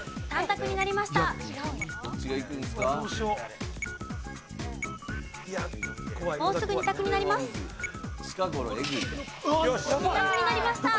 ２択になりました。